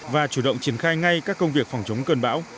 và chủ động triển khai ngay các công việc phòng chống cơn bão